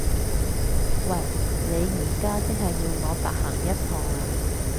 喂！你而家即係要我白行一趟呀？